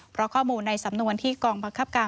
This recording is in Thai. เพราะข้อมูลในสำนวนที่กองบังคับการ